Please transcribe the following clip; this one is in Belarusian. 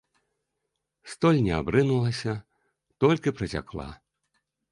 Столь не абрынулася, толькі працякла.